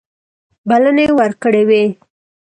بلنې ورکړي وې.